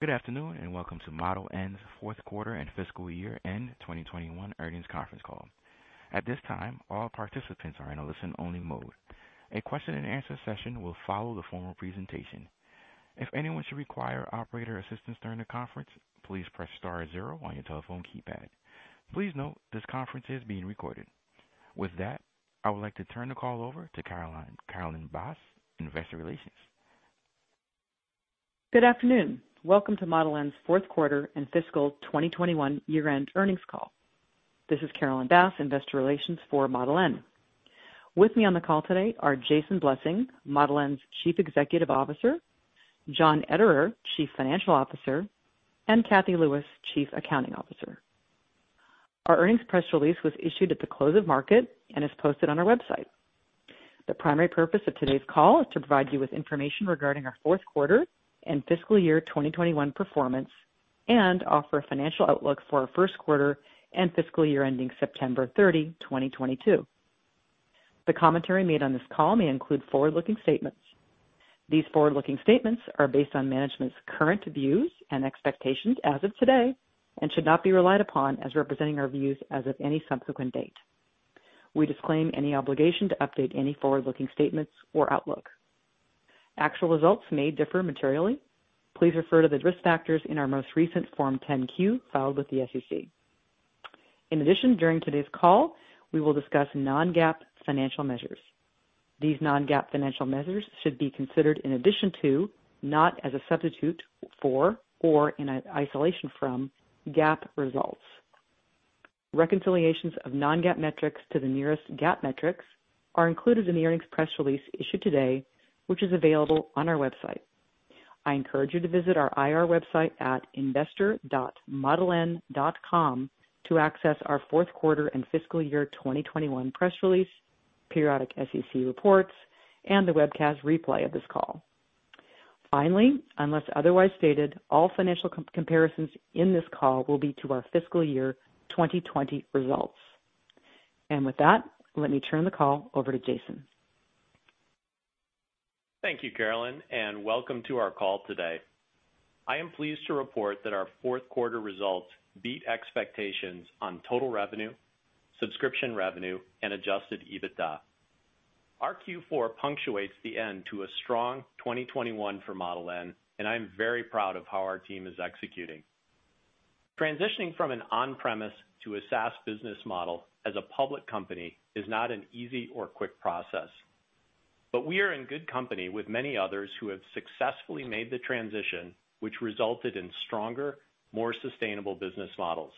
Good afternoon, and welcome to Model N's fourth quarter and fiscal year-end 2021 earnings conference call. At this time, all participants are in a listen-only mode. A question-and-answer session will follow the formal presentation. If anyone should require operator assistance during the conference, please press Star zero on your telephone keypad. Please note this conference is being recorded. With that, I would like to turn the call over to Carolyn Bass, Investor Relations. Good afternoon. Welcome to Model N's fourth quarter and Fiscal 2021 year-end earnings call. This is Carolyn Bass, Investor Relations for Model N. With me on the call today are Jason Blessing, Model N's Chief Executive Officer, John Ederer, Chief Financial Officer, and Cathy Lewis, Chief Accounting Officer. Our earnings press release was issued at the close of market and is posted on our website. The primary purpose of today's call is to provide you with information regarding our fourth quarter and fiscal year 2021 performance, and offer a financial outlook for our first quarter and fiscal year ending September 30, 2022. The commentary made on this call may include forward-looking statements. These forward-looking statements are based on management's current views and expectations as of today, and should not be relied upon as representing our views as of any subsequent date. We disclaim any obligation to update any forward-looking statements or outlook. Actual results may differ materially. Please refer to the risk factors in our most recent Form 10-Q filed with the SEC. In addition, during today's call, we will discuss non-GAAP financial measures. These non-GAAP financial measures should be considered in addition to, not as a substitute for or in isolation from, GAAP results. Reconciliations of non-GAAP metrics to the nearest GAAP metrics are included in the earnings press release issued today, which is available on our website. I encourage you to visit our IR website at investor.modeln.com to access our fourth quarter and fiscal year 2021 press release, periodic SEC reports, and the webcast replay of this call. Finally, unless otherwise stated, all financial comparisons in this call will be to our fiscal year 2020 results. With that, let me turn the call over to Jason. Thank you, Carolyn, and welcome to our call today. I am pleased to report that our fourth quarter results beat expectations on total revenue, subscription revenue, and adjusted EBITDA. Our Q4 punctuates the end to a strong 2021 for Model N, and I am very proud of how our team is executing. Transitioning from an on-premise to a SaaS business model as a public company is not an easy or quick process, but we are in good company with many others who have successfully made the transition, which resulted in stronger, more sustainable business models.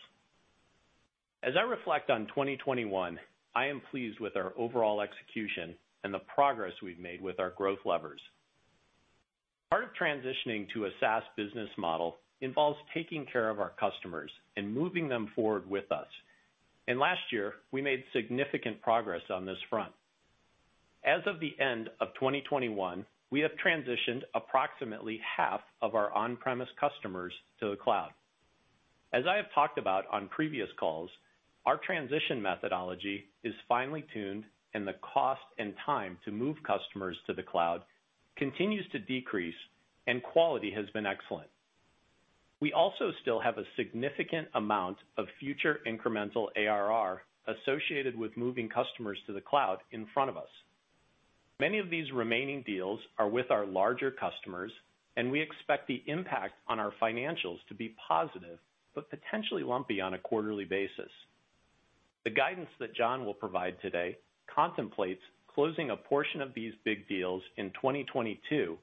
As I reflect on 2021, I am pleased with our overall execution and the progress we've made with our growth levers. Part of transitioning to a SaaS business model involves taking care of our customers and moving them forward with us. Last year, we made significant progress on this front. As of the end of 2021, we have transitioned approximately half of our on-premise customers to the cloud. As I have talked about on previous calls, our transition methodology is finely tuned and the cost and time to move customers to the cloud continues to decrease, and quality has been excellent. We also still have a significant amount of future incremental ARR associated with moving customers to the cloud in front of us. Many of these remaining deals are with our larger customers, and we expect the impact on our financials to be positive, but potentially lumpy on a quarterly basis. The guidance that John will provide today contemplates closing a portion of these big deals in 2022,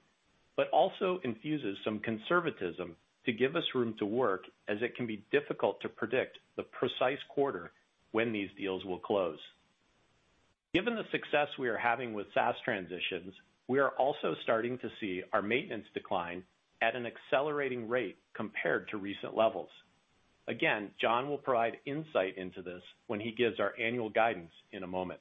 but also infuses some conservatism to give us room to work, as it can be difficult to predict the precise quarter when these deals will close. Given the success we are having with SaaS transitions, we are also starting to see our maintenance decline at an accelerating rate compared to recent levels. Again, John will provide insight into this when he gives our annual guidance in a moment.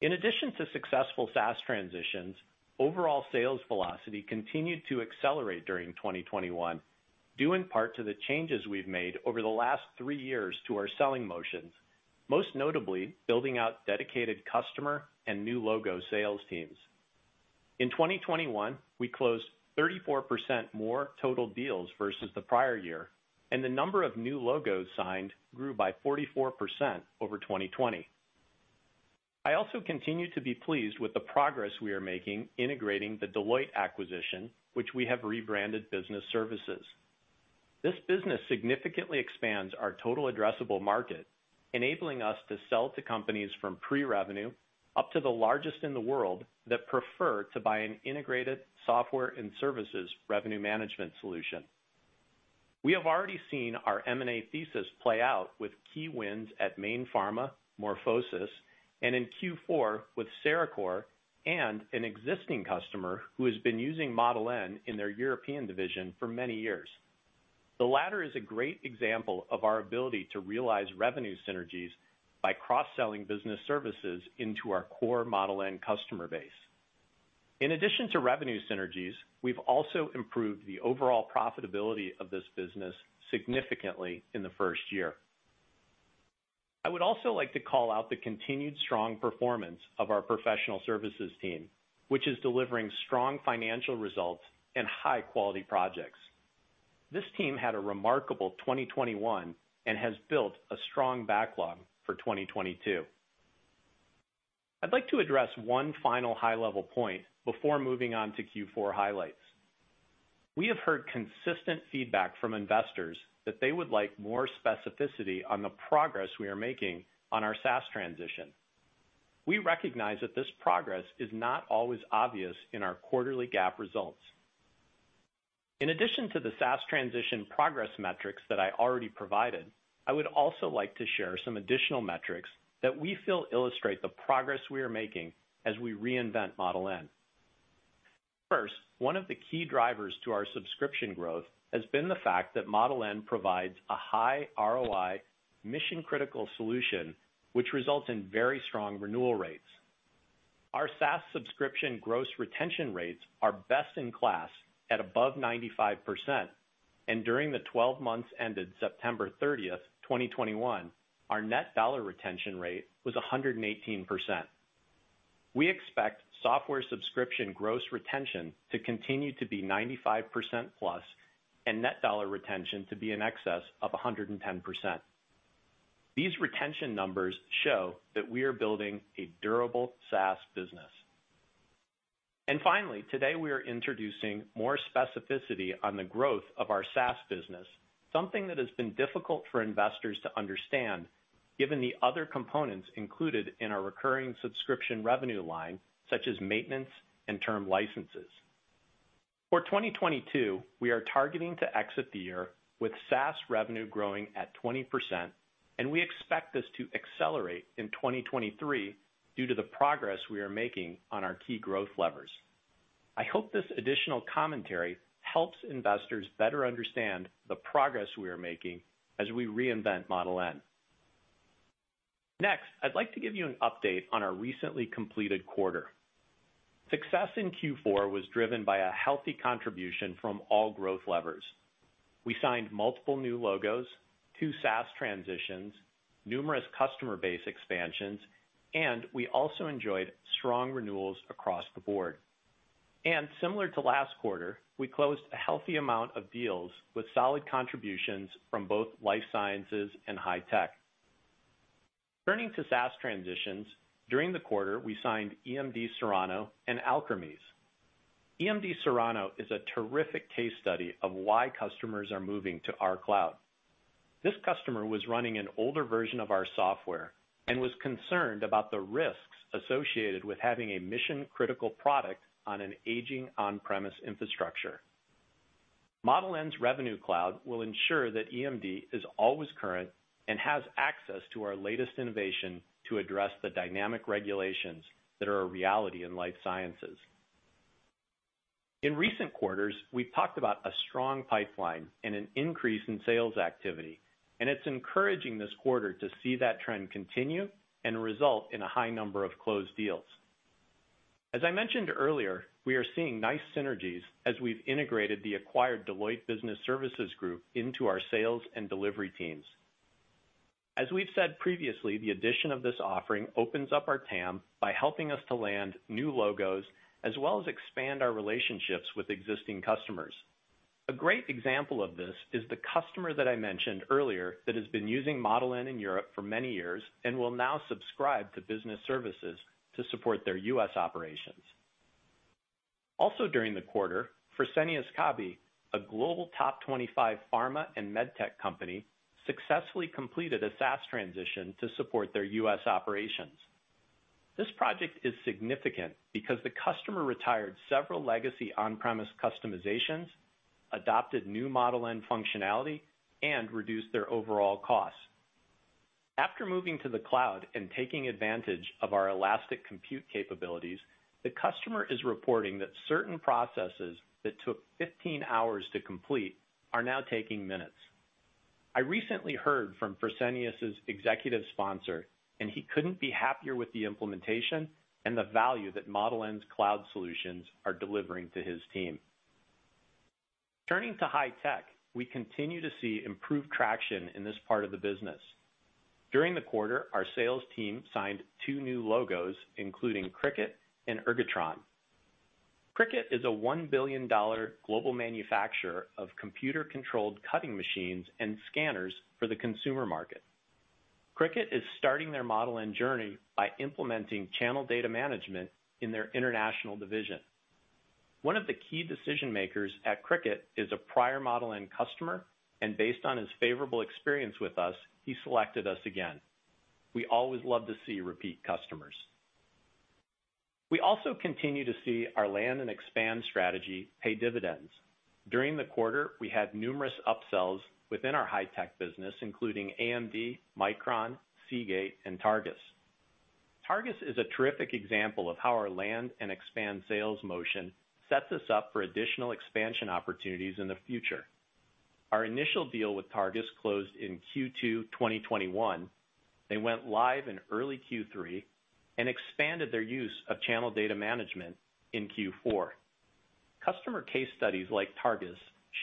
In addition to successful SaaS transitions, overall sales velocity continued to accelerate during 2021, due in part to the changes we've made over the last three years to our selling motions, most notably building out dedicated customer and new logo sales teams. In 2021, we closed 34% more total deals versus the prior year, and the number of new logos signed grew by 44% over 2020. I also continue to be pleased with the progress we are making integrating the Deloitte acquisition, which we have rebranded Business Services. This business significantly expands our total addressable market, enabling us to sell to companies from pre-revenue up to the largest in the world that prefer to buy an integrated software and services revenue management solution. We have already seen our M&A thesis play out with key wins at Mayne Pharma, MorphoSys, and in Q4 with Cerecor and an existing customer who has been using Model N in their European division for many years. The latter is a great example of our ability to realize revenue synergies by cross-selling Business Services into our core Model N customer base. In addition to revenue synergies, we've also improved the overall profitability of this business significantly in the first year. I would also like to call out the continued strong performance of our Professional Services team, which is delivering strong financial results and high-quality projects. This team had a remarkable 2021, and has built a strong backlog for 2022. I'd like to address one final high level point before moving on to Q4 highlights. We have heard consistent feedback from investors that they would like more specificity on the progress we are making on our SaaS transition. We recognize that this progress is not always obvious in our quarterly GAAP results. In addition to the SaaS transition progress metrics that I already provided, I would also like to share some additional metrics that we feel illustrate the progress we are making as we reinvent Model N. First, one of the key drivers to our subscription growth has been the fact that Model N provides a high ROI mission-critical solution, which results in very strong renewal rates. Our SaaS subscription gross retention rates are best in class at above 95%, and during the 12 months ended September 30th, 2021, our net dollar retention rate was 118%. We expect software subscription gross retention to continue to be 95%+, and net dollar retention to be in excess of 110%. These retention numbers show that we are building a durable SaaS business. Finally, today we are introducing more specificity on the growth of our SaaS business, something that has been difficult for investors to understand given the other components included in our recurring subscription revenue line, such as maintenance and term licenses. For 2022, we are targeting to exit the year with SaaS revenue growing at 20%, and we expect this to accelerate in 2023 due to the progress we are making on our key growth levers. I hope this additional commentary helps investors better understand the progress we are making as we reinvent Model N. Next, I'd like to give you an update on our recently completed quarter. Success in Q4 was driven by a healthy contribution from all growth levers. We signed multiple new logos, two SaaS transitions, numerous customer base expansions, and we also enjoyed strong renewals across the board. Similar to last quarter, we closed a healthy amount of deals with solid contributions from both Life Sciences and High-tech. Turning to SaaS transitions, during the quarter, we signed EMD Serono and Alkermes. EMD Serono is a terrific case study of why customers are moving to our cloud. This customer was running an older version of our software and was concerned about the risks associated with having a mission-critical product on an aging on-premise infrastructure. Model N's Revenue Cloud will ensure that EMD is always current and has access to our latest innovation to address the dynamic regulations that are a reality in Life Sciences. In recent quarters, we've talked about a strong pipeline and an increase in sales activity, and it's encouraging this quarter to see that trend continue and result in a high number of closed deals. As I mentioned earlier, we are seeing nice synergies as we've integrated the acquired Deloitte Business Services group into our sales and delivery teams. As we've said previously, the addition of this offering opens up our TAM by helping us to land new logos, as well as expand our relationships with existing customers. A great example of this is the customer that I mentioned earlier that has been using Model N in Europe for many years and will now subscribe to Business Services to support their U.S. operations. Also, during the quarter, Fresenius Kabi, a global top 25 pharma and med tech company, successfully completed a SaaS transition to support their U.S. operations. This project is significant because the customer retired several legacy on-premise customizations, adopted new Model N functionality, and reduced their overall costs. After moving to the cloud and taking advantage of our elastic compute capabilities, the customer is reporting that certain processes that took 15 hours to complete are now taking minutes. I recently heard from Fresenius's Executive sponsor, and he couldn't be happier with the implementation and the value that Model N's cloud solutions are delivering to his team. Turning to High-tech, we continue to see improved traction in this part of the business. During the quarter, our sales team signed two new logos, including Cricut and Ergotron. Cricut is a $1 billion global manufacturer of computer-controlled cutting machines and scanners for the consumer market. Cricut is starting their Model N journey by implementing Channel Data Management in their international division. One of the key decision makers at Cricut is a prior Model N customer, and based on his favorable experience with us, he selected us again. We always love to see repeat customers. We also continue to see our land and expand strategy pay dividends. During the quarter, we had numerous upsells within our High-tech business, including AMD, Micron, Seagate, and Targus. Targus is a terrific example of how our land and expand sales motion sets us up for additional expansion opportunities in the future. Our initial deal with Targus closed in Q2, 2021. They went live in early Q3 and expanded their use of Channel Data Management in Q4. Customer case studies like Targus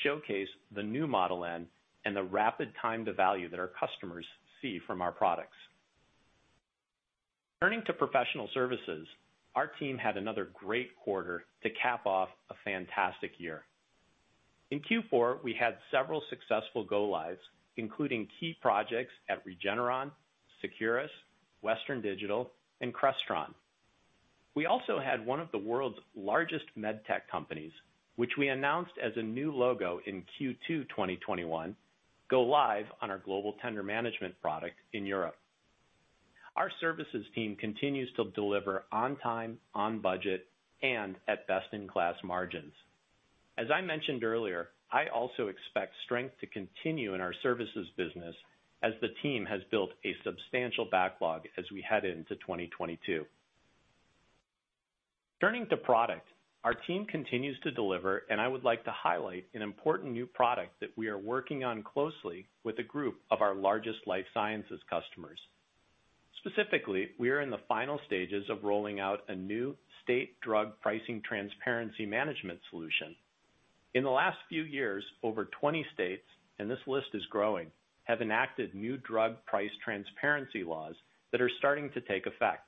showcase the new Model N and the rapid time to value that our customers see from our products. Turning to Professional Services, our team had another great quarter to cap off a fantastic year. In Q4, we had several successful go lives, including key projects at Regeneron, Seqirus, Western Digital, and Crestron. We also had one of the world's largest med tech companies, which we announced as a new logo in Q2 2021, go live on our Global Tender Management product in Europe. Our services team continues to deliver on time, on budget, and at best-in-class margins. As I mentioned earlier, I also expect strength to continue in our Services business as the team has built a substantial backlog as we head into 2022. Turning to Product, our team continues to deliver, and I would like to highlight an important new product that we are working on closely with a group of our largest Life Sciences customers. Specifically, we are in the final stages of rolling out a new state drug pricing transparency management solution. In the last few years, over 20 states, and this list is growing, have enacted new drug price transparency laws that are starting to take effect.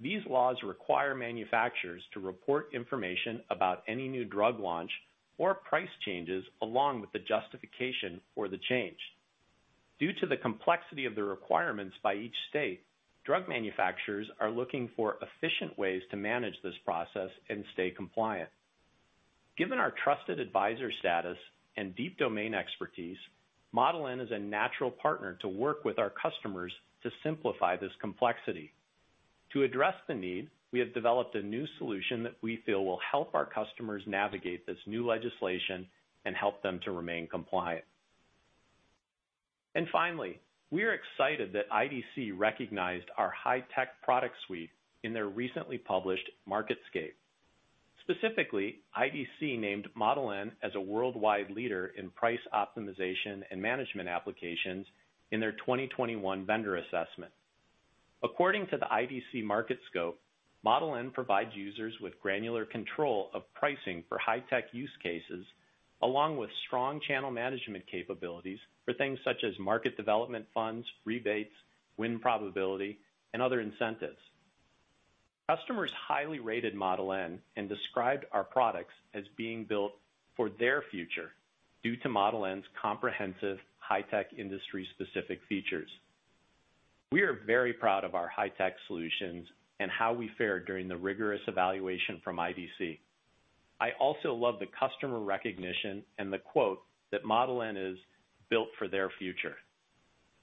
These laws require manufacturers to report information about any new drug launch or price changes, along with the justification for the change. Due to the complexity of the requirements by each state, drug manufacturers are looking for efficient ways to manage this process and stay compliant. Given our trusted advisor status and deep domain expertise, Model N is a natural partner to work with our customers to simplify this complexity. To address the need, we have developed a new solution that we feel will help our customers navigate this new legislation and help them to remain compliant. Finally, we are excited that IDC recognized our High-tech product suite in their recently published MarketScape. Specifically, IDC named Model N as a worldwide leader in price optimization and management applications in their 2021 vendor assessment. According to the IDC MarketScape, Model N provides users with granular control of pricing for high-tech use cases, along with strong channel management capabilities for things such as market development funds, rebates, win probability, and other incentives. Customers highly rated Model N and described our products as being built for their future due to Model N's comprehensive high-tech industry specific features. We are very proud of our High-tech solutions and how we fared during the rigorous evaluation from IDC. I also love the customer recognition and the quote that Model N is built for their future.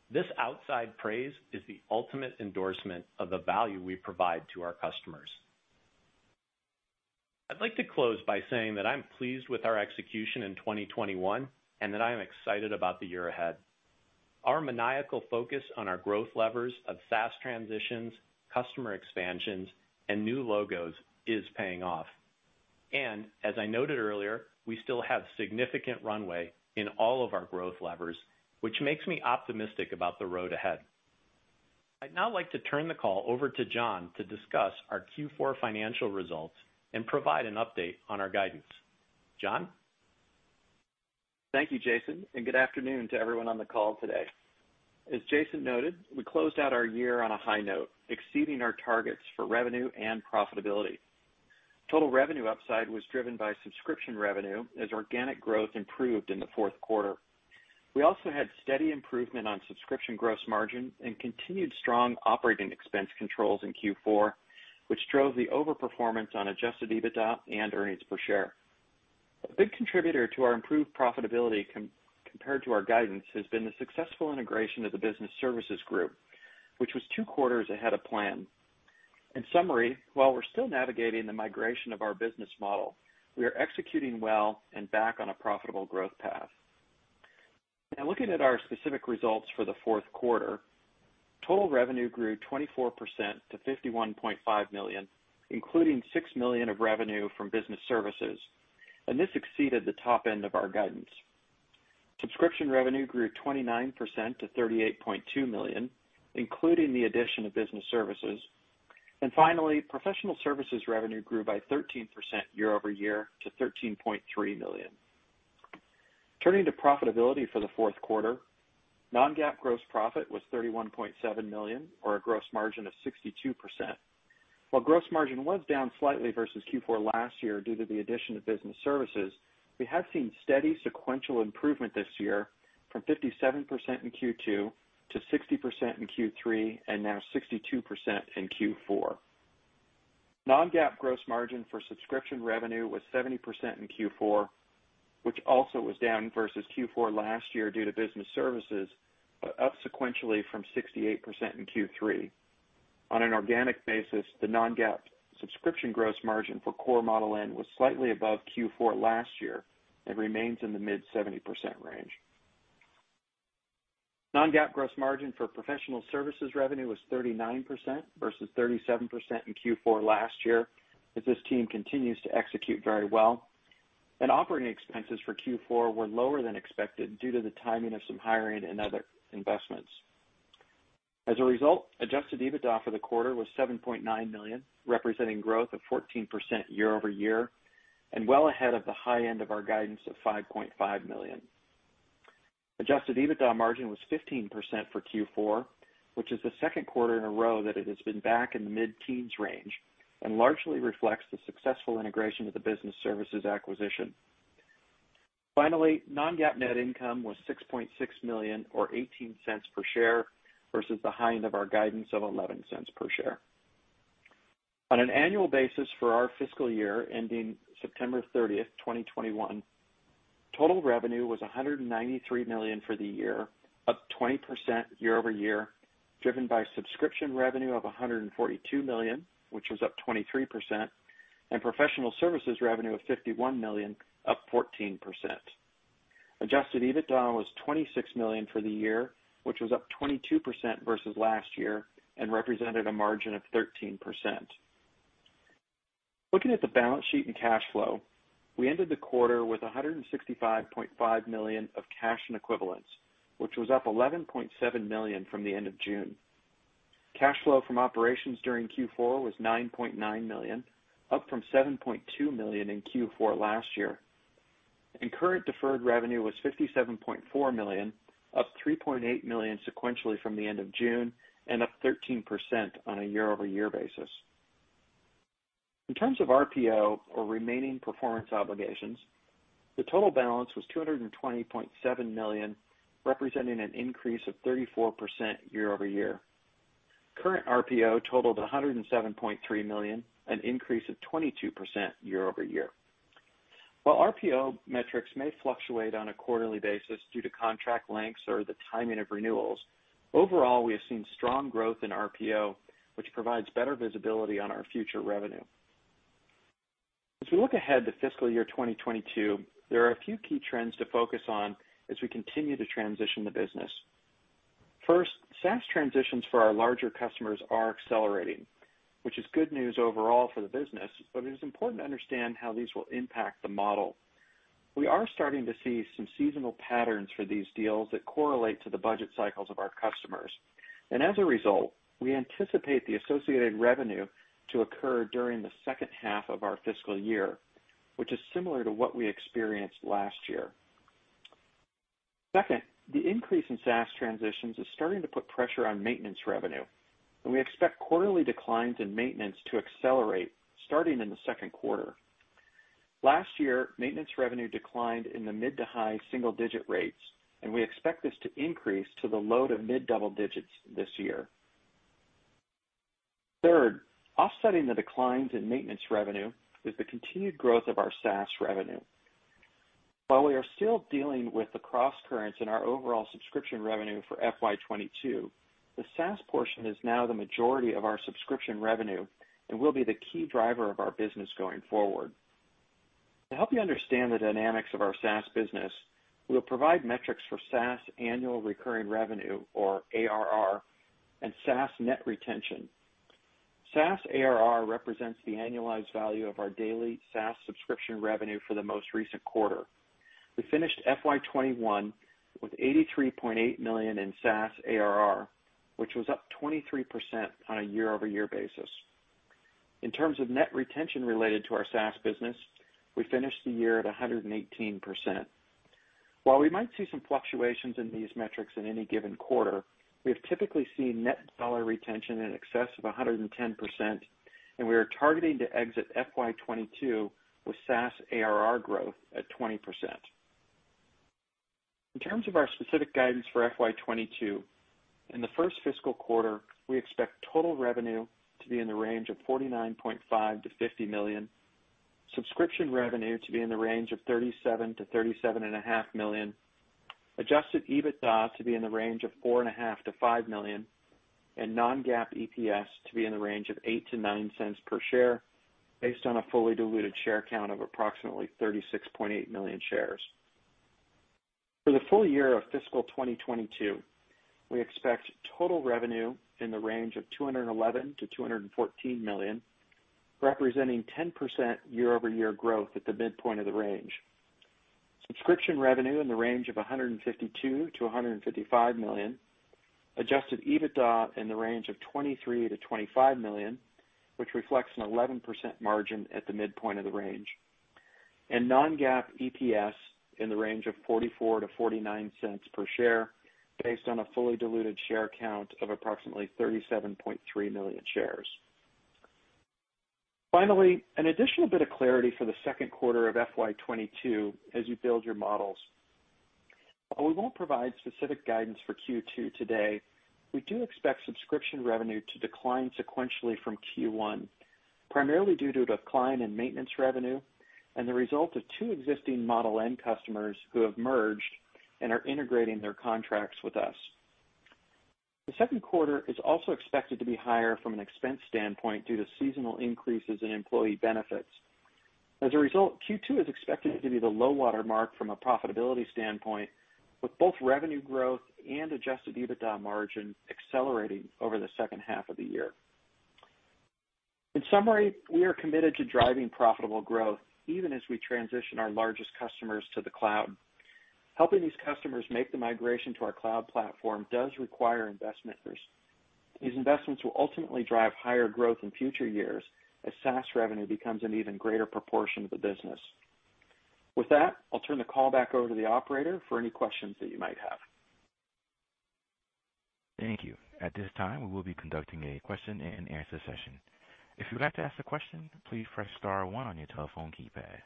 This outside praise is the ultimate endorsement of the value we provide to our customers. I'd like to close by saying that I'm pleased with our execution in 2021, and that I am excited about the year ahead. Our maniacal focus on our growth levers of SaaS transitions, customer expansions, and new logos is paying off. As I noted earlier, we still have significant runway in all of our growth levers, which makes me optimistic about the road ahead. I'd now like to turn the call over to John to discuss our Q4 financial results and provide an update on our guidance. John? Thank you, Jason, and good afternoon to everyone on the call today. As Jason noted, we closed out our year on a high note, exceeding our targets for revenue and profitability. Total revenue upside was driven by Subscription revenue as organic growth improved in the fourth quarter. We also had steady improvement on subscription gross margin and continued strong operating expense controls in Q4, which drove the overperformance on adjusted EBITDA and earnings per share. A big contributor to our improved profitability compared to our guidance has been the successful integration of the Business Services group, which was two quarters ahead of plan. In summary, while we're still navigating the migration of our business model, we are executing well and back on a profitable growth path. Now looking at our specific results for the fourth quarter, total revenue grew 24% to $51.5 million, including $6 million of revenue from Business Services, and this exceeded the top end of our guidance. Subscription revenue grew 29% to $38.2 million, including the addition of Business Services. Finally, Professional Services revenue grew by 13% year-over-year to $13.3 million. Turning to profitability for the fourth quarter, non-GAAP gross profit was $31.7 million or a gross margin of 62%. While gross margin was down slightly versus Q4 last year due to the addition of Business Services, we have seen steady sequential improvement this year from 57% in Q2 to 60% in Q3, and now 62% in Q4. non-GAAP gross margin for subscription revenue was 70% in Q4, which also was down versus Q4 last year due to Business Services, but up sequentially from 68% in Q3. On an organic basis, the non-GAAP subscription gross margin for core Model N was slightly above Q4 last year and remains in the mid-70% range. non-GAAP gross margin for Professional Services revenue was 39% versus 37% in Q4 last year, as this team continues to execute very well. Operating expenses for Q4 were lower than expected due to the timing of some hiring and other investments. As a result, adjusted EBITDA for the quarter was $7.9 million, representing growth of 14% year-over-year and well ahead of the high end of our guidance of $5.5 million. Adjusted EBITDA margin was 15% for Q4, which is the second quarter in a row that it has been back in the mid-teens range and largely reflects the successful integration of the Business Services acquisition. Finally, non-GAAP net income was $6.6 million or $0.18 per share versus the high end of our guidance of $0.11 per share. On an annual basis, for our fiscal year ending September 30th, 2021, total revenue was $193 million for the year, up 20% year-over-year, driven by Subscription revenue of $142 million, which was up 23%, and Professional Services revenue of $51 million, up 14%. Adjusted EBITDA was $26 million for the year, which was up 22% versus last year and represented a margin of 13%. Looking at the balance sheet and cash flow, we ended the quarter with $165.5 million of cash and equivalents, which was up $11.7 million from the end of June. Cash flow from operations during Q4 was $9.9 million, up from $7.2 million in Q4 last year. Current deferred revenue was $57.4 million, up $3.8 million sequentially from the end of June and up 13% on a year-over-year basis. In terms of RPO or Remaining Performance Obligations, the total balance was $220.7 million, representing an increase of 34% year-over-year. Current RPO totaled $107.3 million, an increase of 22% year-over-year. While RPO metrics may fluctuate on a quarterly basis due to contract lengths or the timing of renewals, overall, we have seen strong growth in RPO, which provides better visibility on our future revenue. As we look ahead to fiscal year 2022, there are a few key trends to focus on as we continue to transition the business. First, SaaS transitions for our larger customers are accelerating, which is good news overall for the business, but it is important to understand how these will impact the model. We are starting to see some seasonal patterns for these deals that correlate to the budget cycles of our customers. As a result, we anticipate the associated revenue to occur during the second half of our fiscal year, which is similar to what we experienced last year. Second, the increase in SaaS transitions is starting to put pressure on maintenance revenue, and we expect quarterly declines in maintenance to accelerate starting in the second quarter. Last year, maintenance revenue declined in the mid- to high-single-digit rates, and we expect this to increase to the low- to mid-double-digits this year. Third, offsetting the declines in maintenance revenue is the continued growth of our SaaS revenue. While we are still dealing with the crosscurrents in our overall Subscription revenue for FY 2022, the SaaS portion is now the majority of our Subscription revenue and will be the key driver of our business going forward. To help you understand the dynamics of our SaaS business, we'll provide metrics for SaaS annual recurring revenue or ARR and SaaS net retention. SaaS ARR represents the annualized value of our daily SaaS subscription revenue for the most recent quarter. We finished FY 2021 with $83.8 million in SaaS ARR, which was up 23% on a year-over-year basis. In terms of net retention related to our SaaS business, we finished the year at 118%. While we might see some fluctuations in these metrics in any given quarter, we have typically seen net dollar retention in excess of 110%, and we are targeting to exit FY 2022 with SaaS ARR growth at 20%. In terms of our specific guidance for FY 2022, in the first fiscal quarter, we expect total revenue to be in the range of $49.5 million-$50 million, Subscription revenue to be in the range of $37 million-$37.5 million, adjusted EBITDA to be in the range of $4.5 million-$5 million, and non-GAAP EPS to be in the range of $0.08-$0.09 per share based on a fully diluted share count of approximately 36.8 million shares. For the full-year of Fiscal 2022, we expect total revenue in the range of $211 million-$214 million, representing 10% year-over-year growth at the midpoint of the range. Subscription revenue in the range of $152 million-$155 million, adjusted EBITDA in the range of $23 million-$25 million, which reflects an 11% margin at the midpoint of the range. Non-GAAP EPS in the range of $0.44-$0.49 per share based on a fully diluted share count of approximately 37.3 million shares. Finally, an additional bit of clarity for the second quarter of FY 2022 as you build your models. While we won't provide specific guidance for Q2 today, we do expect Subscription revenue to decline sequentially from Q1, primarily due to a decline in maintenance revenue and the result of two existing Model N customers who have merged and are integrating their contracts with us. The second quarter is also expected to be higher from an expense standpoint due to seasonal increases in employee benefits. As a result, Q2 is expected to be the low water mark from a profitability standpoint, with both revenue growth and adjusted EBITDA margin accelerating over the second half of the year. In summary, we are committed to driving profitable growth even as we transition our largest customers to the cloud. Helping these customers make the migration to our cloud platform does require investment first. These investments will ultimately drive higher growth in future years as SaaS revenue becomes an even greater proportion of the business. With that, I'll turn the call back over to the operator for any questions that you might have. Thank you. At this time, we will be conducting a question-and-answer session. If you'd like to ask a question, please press Star one on your telephone keypad.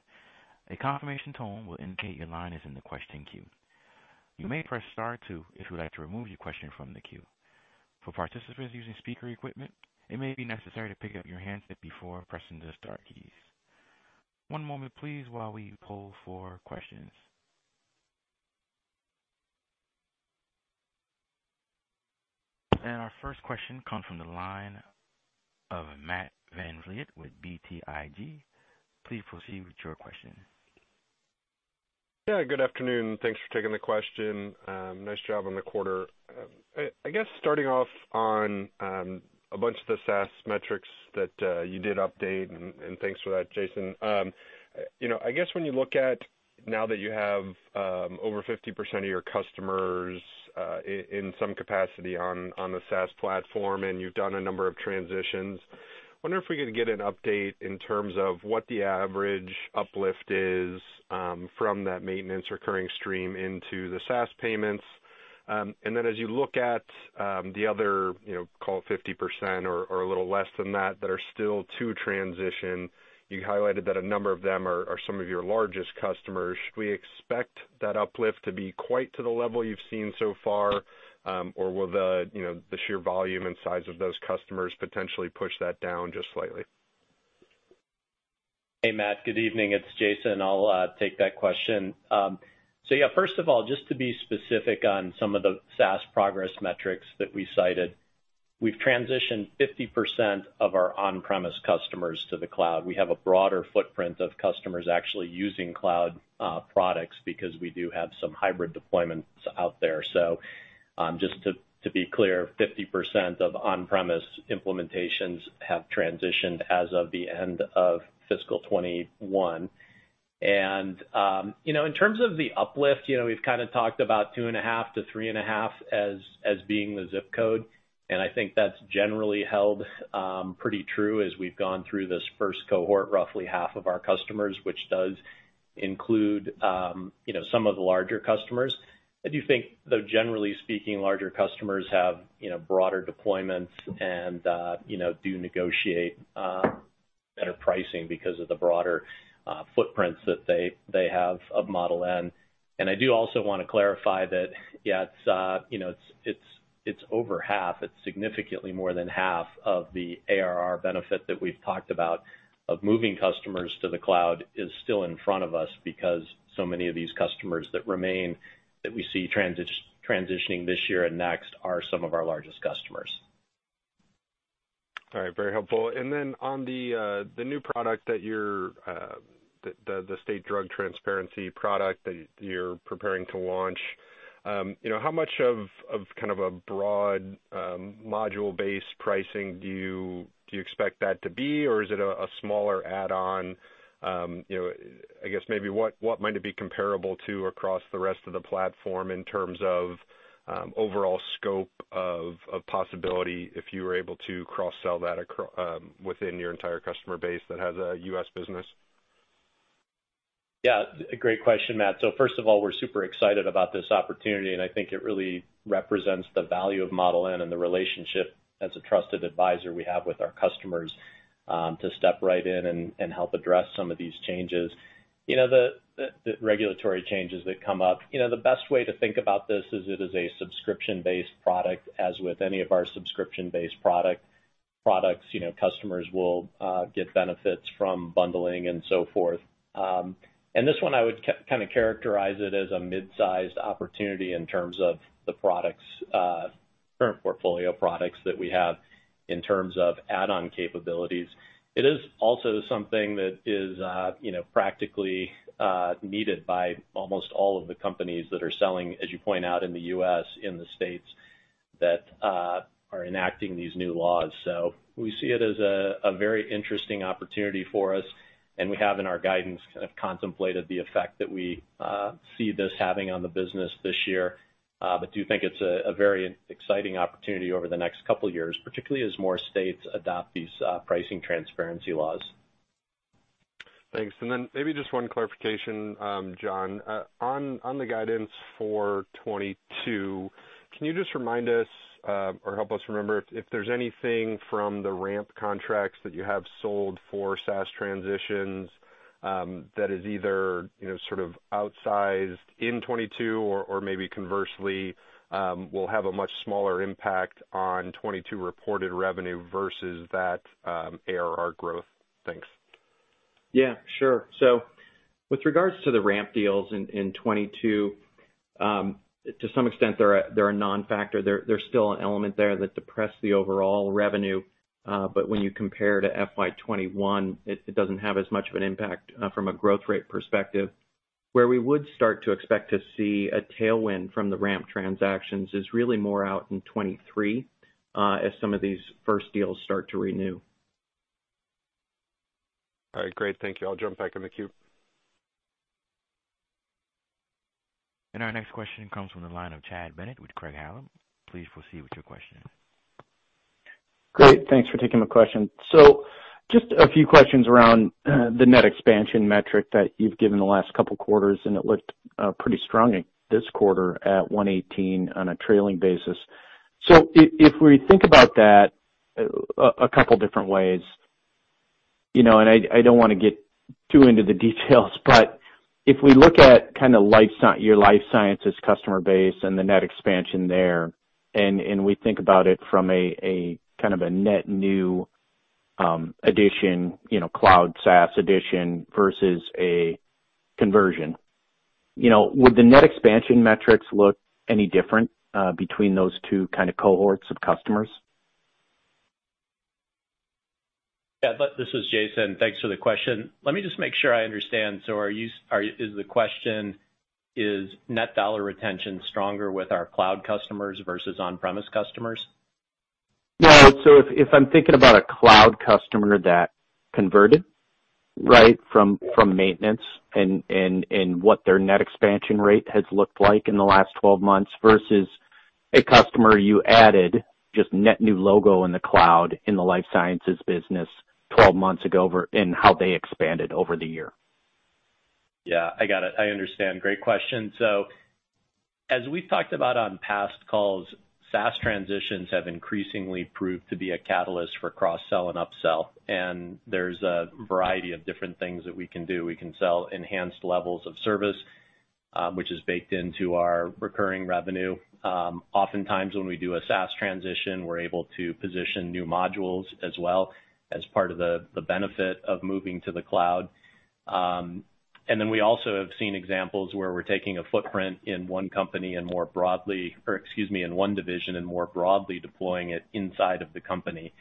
A confirmation tone will indicate your line is in the question queue. You may press Star two if you'd like to remove your question from the queue. For participants using speaker equipment, it may be necessary to pick up your handset before pressing the Star keys. One moment please while we poll for questions. Our first question comes from the line of Matt VanVliet with BTIG. Please proceed with your question. Yeah, good afternoon. Thanks for taking the question. Nice job on the quarter. I guess starting off on a bunch of the SaaS metrics that you did update, and thanks for that, Jason. You know, I guess when you look at now that you have over 50% of your customers in some capacity on the SaaS platform, and you've done a number of transitions, wondering if we could get an update in terms of what the average uplift is from that maintenance recurring stream into the SaaS payments. As you look at the other, you know, call it 50% or a little less than that that are still to transition, you highlighted that a number of them are some of your largest customers. Should we expect that uplift to be quite to the level you've seen so far, or will the, you know, the sheer volume and size of those customers potentially push that down just slightly? Hey, Matt, good evening. It's Jason. I'll take that question. So yeah, first of all, just to be specific on some of the SaaS progress metrics that we cited, we've transitioned 50% of our on-premise customers to the cloud. We have a broader footprint of customers actually using cloud products because we do have some hybrid deployments out there. Just to be clear, 50% of on-premise implementations have transitioned as of the end of fiscal 2021. You know, in terms of the uplift, you know, we've kinda talked about 2.5-3.5 as being the zip code, and I think that's generally held pretty true as we've gone through this first cohort, roughly half of our customers, which does include you know, some of the larger customers. I do think, though, generally speaking, larger customers have, you know, broader deployments and, you know, do negotiate, better pricing because of the broader, footprints that they have of Model N. I do also wanna clarify that, it's over half. It's significantly more than half of the ARR benefit that we've talked about of moving customers to the cloud is still in front of us because so many of these customers that remain that we see transitioning this year and next are some of our largest customers. All right. Very helpful. On the new product, the state drug transparency product that you're preparing to launch, you know, how much of kind of a broad module-based pricing do you expect that to be? Or is it a smaller add-on? You know, I guess maybe what might it be comparable to across the rest of the platform in terms of overall scope of possibility if you were able to cross-sell that within your entire customer base that has a U.S. business? Yeah. A great question, Matt. First of all, we're super excited about this opportunity, and I think it really represents the value of Model N and the relationship as a trusted advisor we have with our customers, to step right in and help address some of these changes. You know, the regulatory changes that come up, you know, the best way to think about this is it is a subscription-based product. As with any of our subscription-based products, you know, customers will get benefits from bundling and so forth. And this one I would kinda characterize it as a mid-sized opportunity in terms of the products, current portfolio products that we have in terms of add-on capabilities. It is also something that is, you know, practically, needed by almost all of the companies that are selling, as you point out in the U.S., in the states that are enacting these new laws. We see it as a very interesting opportunity for us, and we have in our guidance kind of contemplated the effect that we see this having on the business this year. We do think it's a very exciting opportunity over the next couple years, particularly as more states adopt these pricing transparency laws. Thanks. Maybe just one clarification, John. On the guidance for 2022, can you just remind us or help us remember if there's anything from the ramp contracts that you have sold for SaaS transitions that is either, you know, sort of outsized in 2022 or maybe conversely will have a much smaller impact on 2022 reported revenue versus that ARR growth? Thanks. Yeah, sure. With regards to the ramp deals in 2022, to some extent, they're a non-factor. There's still an element there that depressed the overall revenue, but when you compare to FY 2021, it doesn't have as much of an impact from a growth rate perspective. Where we would start to expect to see a tailwind from the ramp transactions is really more out in 2023, as some of these first deals start to renew. All right, great. Thank you. I'll jump back in the queue. Our next question comes from the line of Chad Bennett with Craig-Hallum. Please proceed with your question. Great. Thanks for taking my question. So just a few questions around the net expansion metric that you've given the last couple quarters, and it looked pretty strong this quarter at 118% on a trailing basis. If we think about that a couple different ways, you know, and I don't wanna get too into the details, but if we look at kinda Life Sciences, your Life Sciences customer base and the net expansion there, and we think about it from a kind of a net new addition, you know, cloud SaaS addition versus a conversion, you know, would the net expansion metrics look any different between those two kind of cohorts of customers? Yeah. This is Jason. Thanks for the question. Let me just make sure I understand. Is the question, is net dollar retention stronger with our cloud customers versus on-premise customers? No. If I'm thinking about a cloud customer that converted Right from maintenance and what their net expansion rate has looked like in the last 12 months versus a customer you added, just net new logo in the cloud in the Life Sciences business 12 months ago, and how they expanded over the year. Yeah, I got it. I understand. Great question. As we've talked about on past calls, SaaS transitions have increasingly proved to be a catalyst for cross-sell and upsell, and there's a variety of different things that we can do. We can sell enhanced levels of service, which is baked into our recurring revenue. Oftentimes when we do a SaaS transition, we're able to position new modules as well as part of the benefit of moving to the cloud. We also have seen examples where we're taking a footprint in one division and more broadly deploying it inside of the company.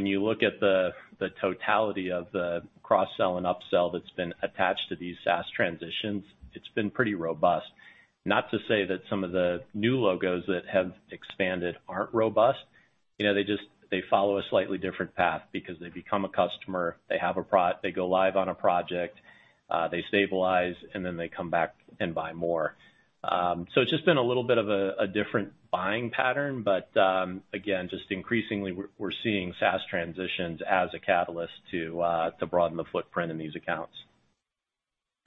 When you look at the totality of the cross-sell and upsell that's been attached to these SaaS transitions, it's been pretty robust. Not to say that some of the new logos that have expanded aren't robust. You know, they just follow a slightly different path because they become a customer, they go live on a project, they stabilize, and then they come back and buy more. It's just been a little bit of a different buying pattern. Again, just increasingly we're seeing SaaS transitions as a catalyst to broaden the footprint in these accounts.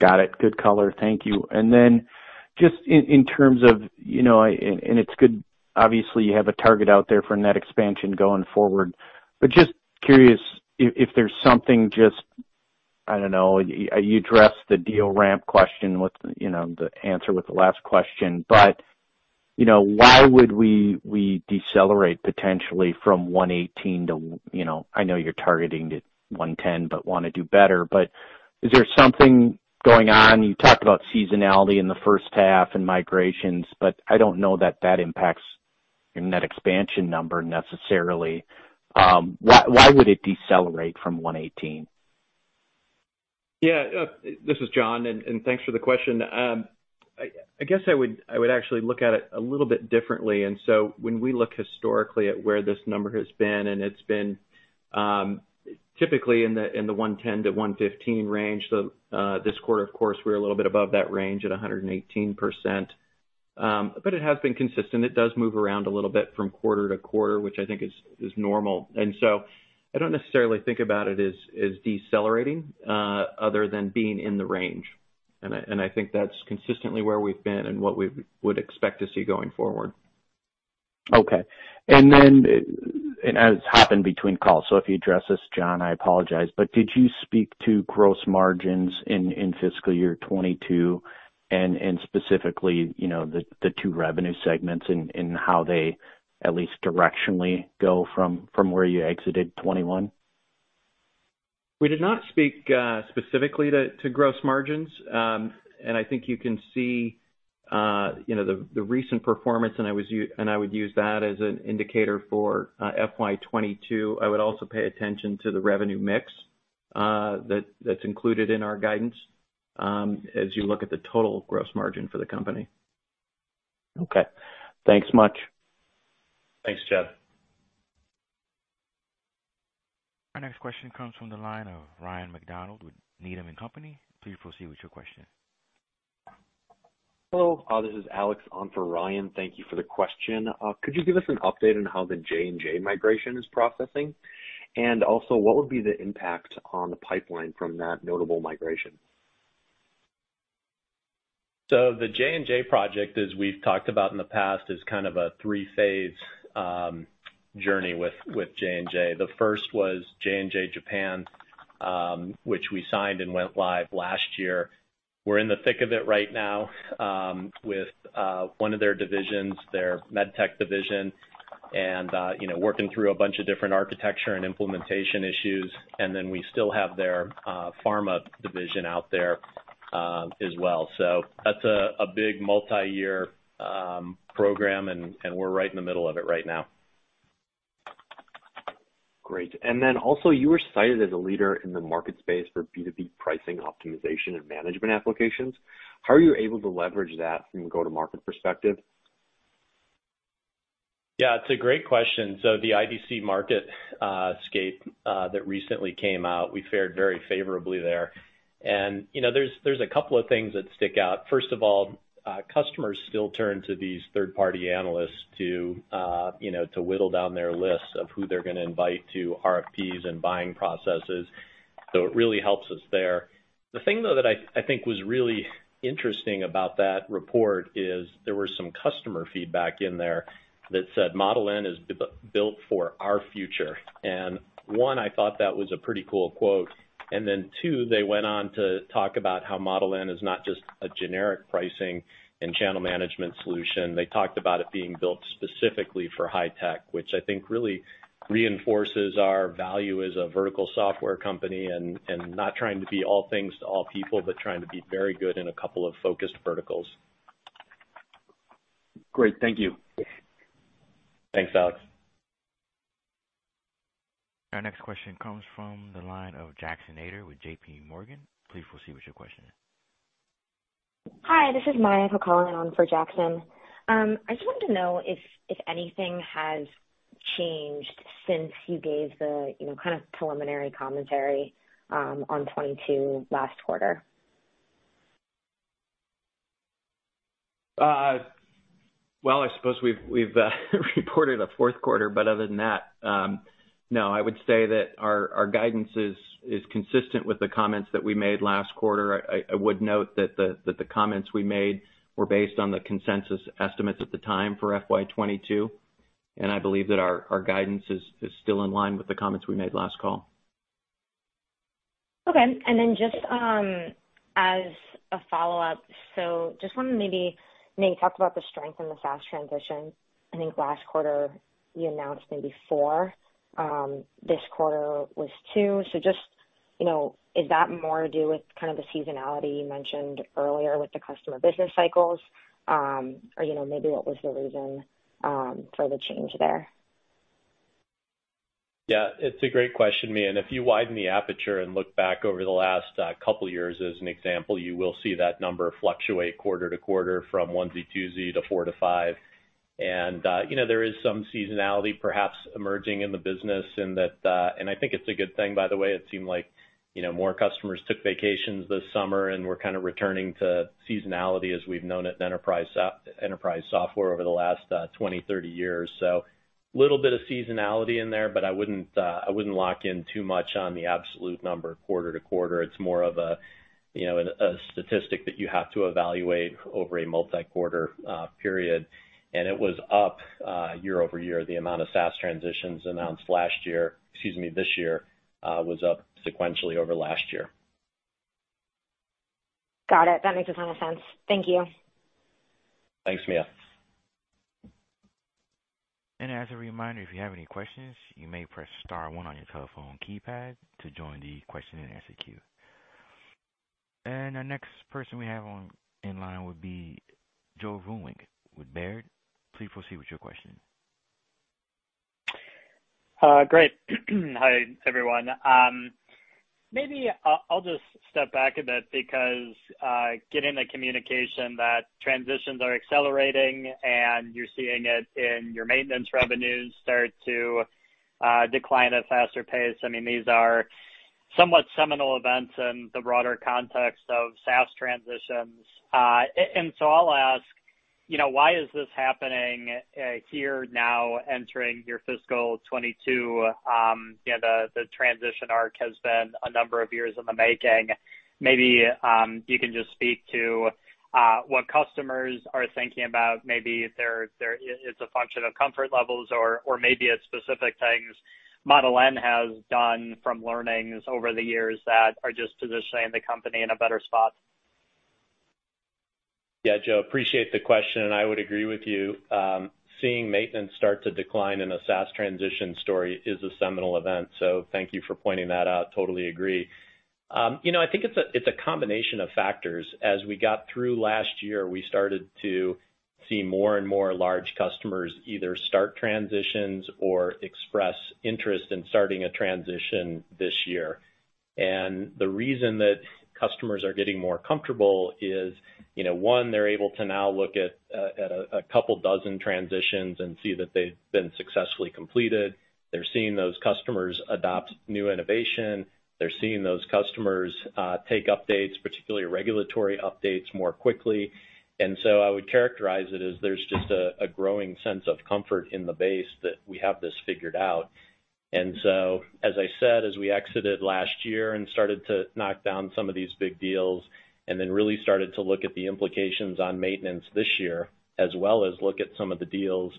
Got it. Good color. Thank you. Just in terms of, you know, and it's good, obviously, you have a target out there for net expansion going forward. Just curious if there's something just, I don't know, you addressed the deal ramp question with, you know, the answer with the last question. You know, why would we decelerate potentially from 118% to, you know, I know you're targeting 110%, but wanna do better. Is there something going on? You talked about seasonality in the first half and migrations, but I don't know that that impacts your net expansion number necessarily. Why would it decelerate from 118%? Yeah. This is John, and thanks for the question. I guess I would actually look at it a little bit differently. When we look historically at where this number has been, and it's been typically in the 110-115 range. This quarter, of course, we're a little bit above that range at 118%. But it has been consistent. It does move around a little bit from quarter-to-quarter, which I think is normal. I don't necessarily think about it as decelerating other than being in the range. I think that's consistently where we've been and what we would expect to see going forward. Okay. As happened between calls, so if you address this, John, I apologize, but did you speak to gross margins in fiscal year 2022 and specifically, you know, the two revenue segments and how they at least directionally go from where you exited 2021? We did not speak specifically to gross margins. I think you can see you know the recent performance, and I would use that as an indicator for FY 2022. I would also pay attention to the revenue mix that that's included in our guidance as you look at the total gross margin for the company. Okay. Thanks much. Thanks, Chad. Our next question comes from the line of Ryan MacDonald with Needham & Company. Please proceed with your question. Hello. This is Alex on for Ryan. Thank you for the question. Could you give us an update on how the J&J migration is processing? What would be the impact on the pipeline from that notable migration? The J&J project, as we've talked about in the past, is kind of a three-phase journey with J&J. The first was J&J Japan, which we signed and went live last year. We're in the thick of it right now, with one of their divisions, their med tech division, and you know, working through a bunch of different architecture and implementation issues. We still have their pharma division out there as well. That's a big multi-year program and we're right in the middle of it right now. Great. You were cited as a leader in the MarketScape for B2B pricing optimization and management applications. How are you able to leverage that from a go-to-market perspective? Yeah, it's a great question. The IDC MarketScape that recently came out, we fared very favorably there. You know, there's a couple of things that stick out. First of all, customers still turn to these third-party analysts to, you know, to whittle down their lists of who they're gonna invite to RFPs and buying processes. It really helps us there. The thing, though, that I think was really interesting about that report is there were some customer feedback in there that said, Model N is built for our future. One, I thought that was a pretty cool quote. Then two, they went on to talk about how Model N is not just a generic pricing and channel management solution. They talked about it being built specifically for high-tech, which I think really reinforces our value as a vertical software company and not trying to be all things to all people, but trying to be very good in a couple of focused verticals. Great. Thank you. Thanks, Alex. Our next question comes from the line of Jackson Ader with JPMorgan. Please proceed with your question. Hi, this is Maya calling in for Jackson. I just wanted to know if anything has changed since you gave the, you know, kind of preliminary commentary on 2022 last quarter. Well, I suppose we've reported a fourth quarter, but other than that, no, I would say that our guidance is consistent with the comments that we made last quarter. I would note that the comments we made were based on the consensus estimates at the time for FY 2022, and I believe that our guidance is still in line with the comments we made last call. Okay. Just as a follow-up, so just wanna, and you talked about the strength in the SaaS transition. I think last quarter you announced maybe four. This quarter was two. Just, you know, is that more to do with kind of the seasonality you mentioned earlier with the customer business cycles, or, you know, maybe what was the reason for the change there? Yeah, it's a great question, Maya. If you widen the aperture and look back over the last couple years as an example, you will see that number fluctuate quarter to quarter from onesie, twosie to four to five. You know, there is some seasonality perhaps emerging in the business in that. I think it's a good thing, by the way. It seemed like, you know, more customers took vacations this summer, and we're kinda returning to seasonality as we've known it in enterprise software over the last 20, 30 years. Little bit of seasonality in there, but I wouldn't lock in too much on the absolute number quarter-to-quarter. It's more of a, you know, a statistic that you have to evaluate over a multi-quarter period. It was up year-over-year. The amount of SaaS transitions announced last year, excuse me, this year, was up sequentially over last year. Got it. That makes a ton of sense. Thank you. Thanks, Maya. As a reminder, if you have any questions, you may press Star one on your telephone keypad to join the question and answer queue. Our next person we have on, in line would be Joe Vruwink with Baird. Please proceed with your question. Great. Hi, everyone. Maybe I'll just step back a bit because getting the communication that transitions are accelerating and you're seeing it in your maintenance revenues start to decline at a faster pace. I mean, these are somewhat seminal events in the broader context of SaaS transitions. I'll ask, you know, why is this happening here now entering your Fiscal 2022? You know, the transition arc has been a number of years in the making. Maybe you can just speak to what customers are thinking about, maybe if it's a function of comfort levels or maybe it's specific things Model N has done from learnings over the years that are just positioning the company in a better spot. Yeah. Joe, appreciate the question, and I would agree with you. Seeing maintenance start to decline in a SaaS transition story is a seminal event. Thank you for pointing that out. Totally agree. You know, I think it's a combination of factors. As we got through last year, we started to see more and more large customers either start transitions or express interest in starting a transition this year. The reason that customers are getting more comfortable is, you know, one, they're able to now look at a couple dozen transitions and see that they've been successfully completed. They're seeing those customers adopt new innovation. They're seeing those customers take updates, particularly regulatory updates, more quickly. I would characterize it as there's just a growing sense of comfort in the base that we have this figured out. As I said, as we exited last year and started to knock down some of these big deals and then really started to look at the implications on maintenance this year, as well as look at some of the deals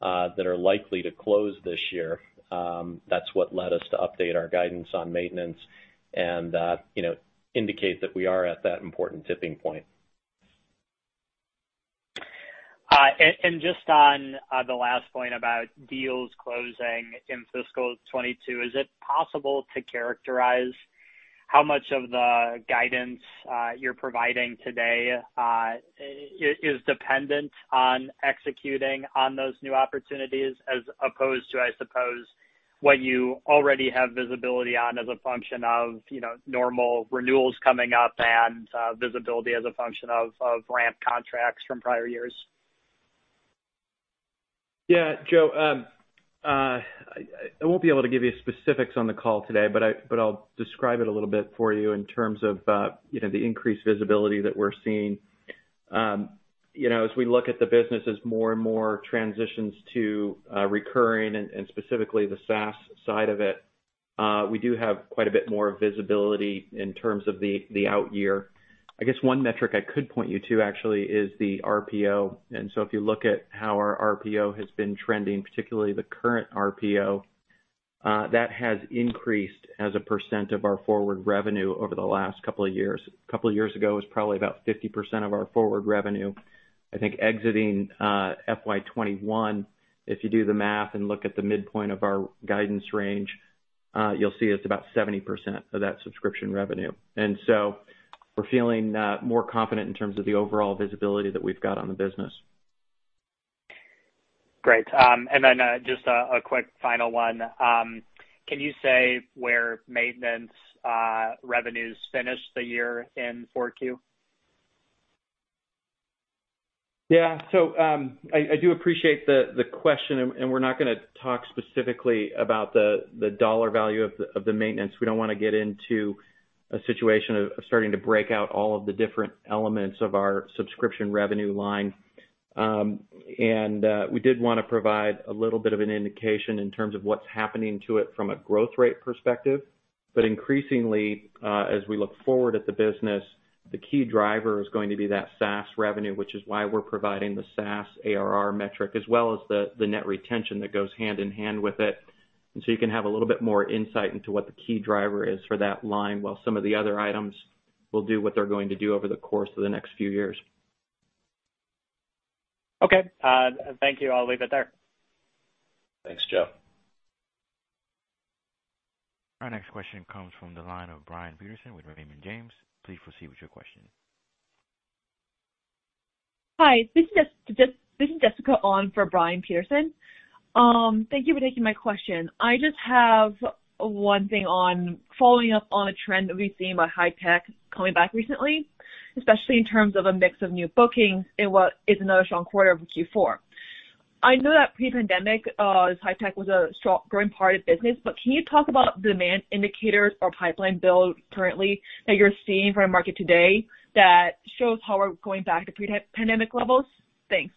that are likely to close this year, that's what led us to update our guidance on maintenance and, you know, indicate that we are at that important tipping point. Just on the last point about deals closing in Fiscal 2022, is it possible to characterize how much of the guidance you're providing today is dependent on executing on those new opportunities as opposed to, I suppose, what you already have visibility on as a function of, you know, normal renewals coming up and visibility as a function of ramp contracts from prior years? Yeah, Joe, I won't be able to give you specifics on the call today, but I'll describe it a little bit for you in terms of, you know, the increased visibility that we're seeing. You know, as we look at the business as more and more transitions to recurring and specifically the SaaS side of it, we do have quite a bit more visibility in terms of the out year. I guess one metric I could point you to actually is the RPO. If you look at how our RPO has been trending, particularly the current RPO, that has increased as a percent of our forward revenue over the last couple of years. A couple of years ago, it was probably about 50% of our forward revenue. I think exiting FY 2021, if you do the math and look at the midpoint of our guidance range, you'll see it's about 70% of that subscription revenue. We're feeling more confident in terms of the overall visibility that we've got on the business. Great. Just a quick final one. Can you say where maintenance revenues finished the year in Q4? Yeah. I do appreciate the question, and we're not gonna talk specifically about the dollar value of the maintenance. We don't wanna get into a situation of starting to break out all of the different elements of our subscription revenue line. We did wanna provide a little bit of an indication in terms of what's happening to it from a growth rate perspective. Increasingly, as we look forward at the business, the key driver is going to be that SaaS revenue, which is why we're providing the SaaS ARR metric, as well as the net retention that goes hand-in-hand with it. You can have a little bit more insight into what the key driver is for that line, while some of the other items will do what they're going to do over the course of the next few years. Okay. Thank you. I'll leave it there. Thanks, Joe. Our next question comes from the line of Brian Peterson with Raymond James. Please proceed with your question. Hi, this is Jessica on for Brian Peterson. Thank you for taking my question. I just have one thing on following up on a trend that we've seen in High-tech coming back recently, especially in terms of a mix of new bookings and what is another strong quarter over Q4. I know that pre-pandemic, as High-tech was a strong growing part of the business, but can you talk about demand indicators or pipeline build currently that you're seeing from the market today that shows how we're going back to pre-pandemic levels? Thanks.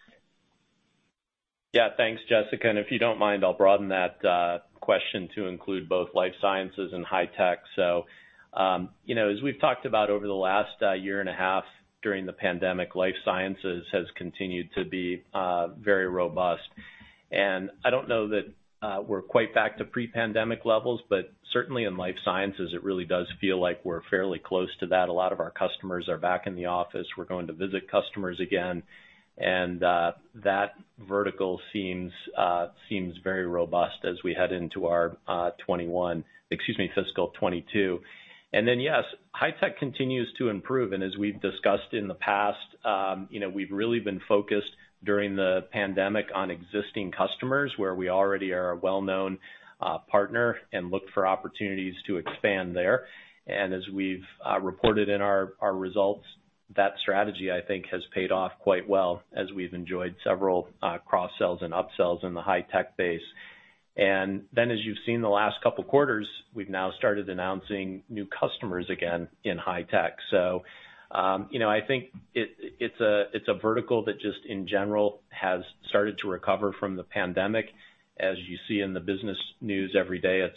Yeah. Thanks, Jessica. If you don't mind, I'll broaden that question to include both Life Sciences and high-tech. You know, as we've talked about over the last year and a half during the pandemic, Life Sciences has continued to be very robust. I don't know that we're quite back to pre-pandemic levels, but certainly in Life Sciences, it really does feel like we're fairly close to that. A lot of our customers are back in the office. We're going to visit customers again, and that vertical seems very robust as we head into our fiscal 2022. Yes, High-tech continues to improve. As we've discussed in the past, you know, we've really been focused during the pandemic on existing customers, where we already are a well-known partner and look for opportunities to expand there. As we've reported in our results, that strategy, I think, has paid off quite well as we've enjoyed several cross-sells and up-sells in the High-tech base. As you've seen the last couple quarters, we've now started announcing new customers again in High-tech. You know, I think it's a vertical that just in general has started to recover from the pandemic. As you see in the business news every day,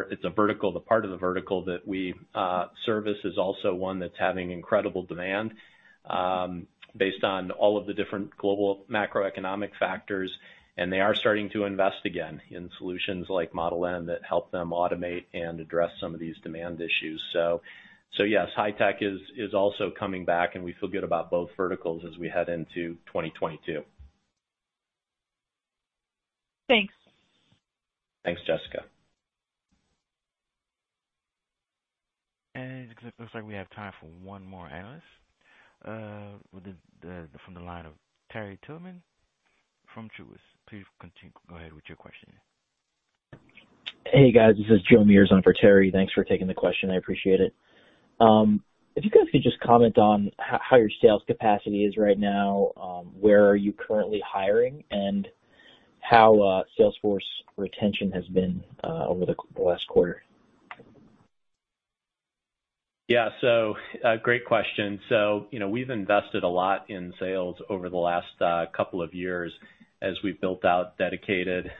it's a vertical. The part of the vertical that we service is also one that's having incredible demand, based on all of the different global macroeconomic factors, and they are starting to invest again in solutions like Model N that help them automate and address some of these demand issues. So yes, High-tech is also coming back, and we feel good about both verticals as we head into 2022. Thanks. Thanks, Jessica. It looks like we have time for one more analyst. From the line of Terry Tillman from Truist. Please continue. Go ahead with your question. Hey, guys. This is Joe Meares on for Terry. Thanks for taking the question. I appreciate it. If you guys could just comment on how your sales capacity is right now, where are you currently hiring and how sales force retention has been over the last quarter? Yeah. Great question. You know, we've invested a lot in sales over the last couple of years as we've built out dedicated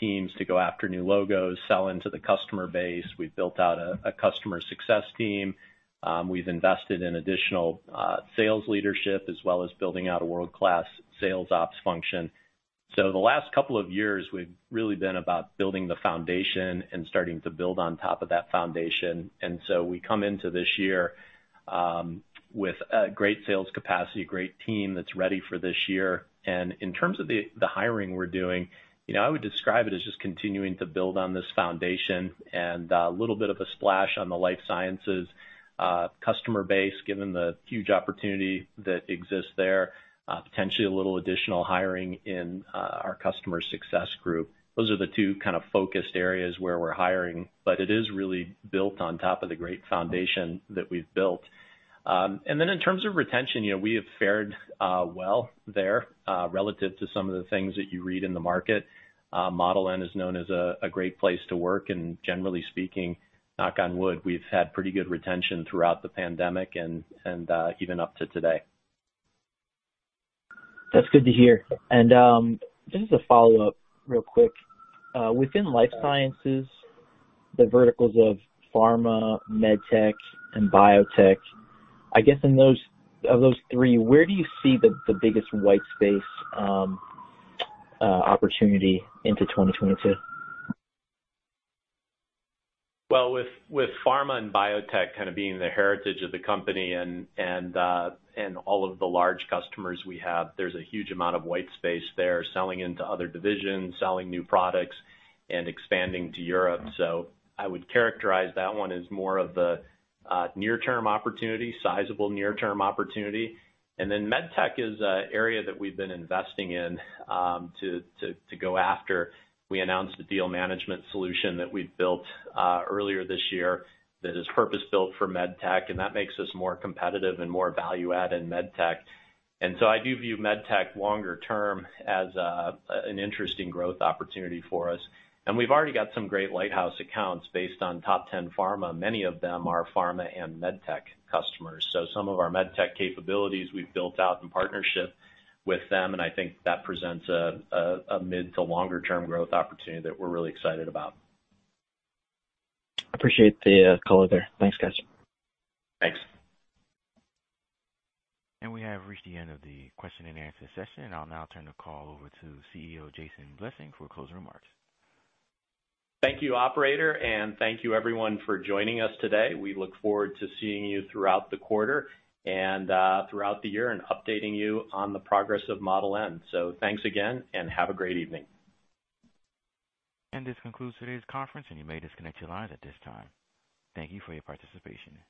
teams to go after new logos, sell into the customer base. We've built out a customer success team. We've invested in additional sales leadership, as well as building out a world-class sales ops function. The last couple of years, we've really been about building the foundation and starting to build on top of that foundation. We come into this year with a great sales capacity, great team that's ready for this year. In terms of the hiring we're doing, you know, I would describe it as just continuing to build on this foundation and a little bit of a splash on the Life Sciences customer base, given the huge opportunity that exists there. Potentially a little additional hiring in our customer success group. Those are the two kind of focused areas where we're hiring, but it is really built on top of the great foundation that we've built. In terms of retention, you know, we have fared well there relative to some of the things that you read in the market. Model N is known as a great place to work and generally speaking, knock on wood, we've had pretty good retention throughout the pandemic and even up to today. That's good to hear. Just as a follow-up real quick. Within Life Sciences, the verticals of pharma, med tech, and biotech, I guess of those three, where do you see the biggest white space opportunity into 2022? Well, with pharma and biotech kind of being the heritage of the company and all of the large customers we have, there's a huge amount of white space there, selling into other divisions, selling new products, and expanding to Europe. I would characterize that one as more of the near-term opportunity, sizable near-term opportunity. Med tech is an area that we've been investing in to go after. We announced a deal management solution that we've built earlier this year that is purpose-built for med tech, and that makes us more competitive and more value-add in med tech. I do view med tech longer-term as an interesting growth opportunity for us. We've already got some great lighthouse accounts based on top ten pharma. Many of them are pharma and med tech customers. Some of our med tech capabilities we've built out in partnership with them, and I think that presents a mid- to longer-term growth opportunity that we're really excited about. Appreciate the color there. Thanks, guys. Thanks. We have reached the end of the question-and-answer session. I'll now turn the call over to CEO Jason Blessing for closing remarks. Thank you, operator, and thank you everyone for joining us today. We look forward to seeing you throughout the quarter and throughout the year and updating you on the progress of Model N. Thanks again and have a great evening. This concludes today's conference, and you may disconnect your lines at this time. Thank you for your participation.